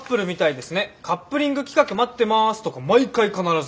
「カップリング企画待ってます」とか毎回必ず。